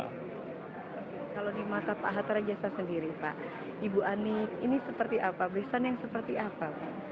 kalau di mata pak hatta rajasa sendiri pak ibu ani ini seperti apa beristan yang seperti apa